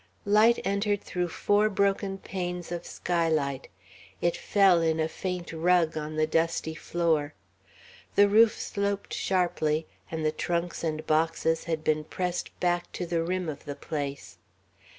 Light entered through four broken panes of skylight. It fell in a faint rug on the dusty floor. The roof sloped sharply, and the trunks and boxes had been pressed back to the rim of the place.